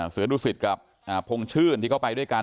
เสือดุสิตกับพงชื่นที่เขาไปด้วยกัน